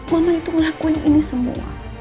mama itu ngelakuin ini semua